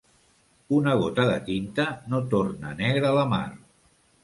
Una gota de tinta no torna negra la mar.